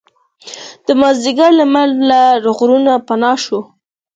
د مازدیګر لمر له غرونو پناه شو.